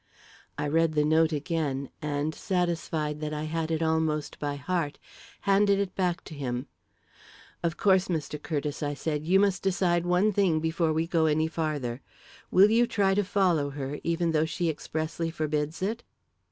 I read the note again, and, satisfied that I had it almost by heart, handed it back to him. "Of course, Mr. Curtiss," I said, "you must decide one thing before we go any farther. Will you try to follow her, even though she expressly forbids it?"